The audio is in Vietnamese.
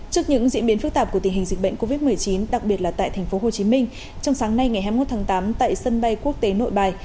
trước những diễn biến phức tạp của tình hình dịch bệnh covid một mươi chín đặc biệt là tại thành phố hồ chí minh trong sáng nay ngày hai mươi một tháng tám tại sân bay quốc tế nội bài